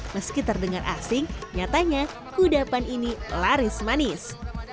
meski terdengar asing nyatanya kudapan ini laris manis